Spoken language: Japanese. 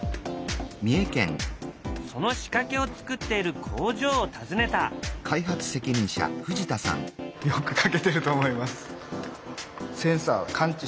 その仕掛けを作っている工場を訪ねた。と思います。